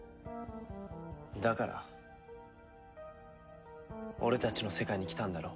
だから俺たちの世界に来たんだろ？